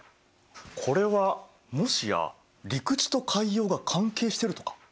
これはもしや陸地と海洋が関係してるとか？